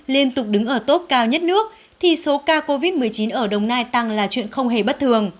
liên tục đứng ở tốt cao nhất nước thì số ca covid một mươi chín ở đồng nai tăng là chuyện không hề bất thường